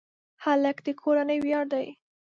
هلک د کورنۍ ویاړ دی.